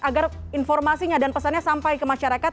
agar informasinya dan pesannya sampai ke masyarakat